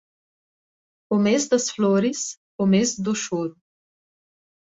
O mês das flores, o mês do choro.